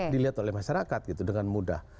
dilihat oleh masyarakat gitu dengan mudah